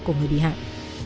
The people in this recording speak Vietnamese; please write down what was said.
của người bị hại